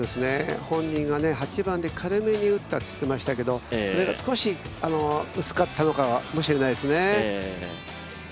本人が８番で軽めに打ったと言っていましたけれども、それが少し薄かったのかもしれないですね。